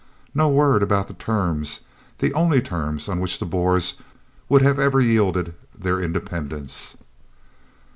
No word about the terms, the only terms on which the Boers would ever have yielded their independence.